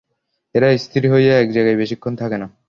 এরা স্থির হয়ে এক জায়গায় বেশিক্ষণ থাকেনা।